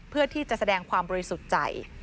เพื่อที่จะแสดงความบริสุทธิ์ใจ